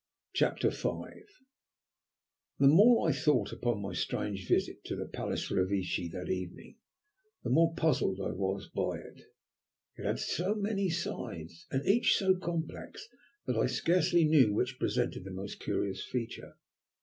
CHAPTER V The more I thought upon my strange visit to the Palace Revecce that evening, the more puzzled I was by it. It had so many sides, and each so complex, that I scarcely knew which presented the most curious feature.